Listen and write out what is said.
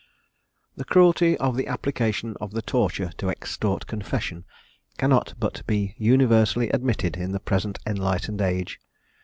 The cruelty of the application of the torture to extort confession, cannot but be universally admitted in the present enlightened age.